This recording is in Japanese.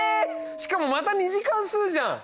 しかもまた２次関数じゃん！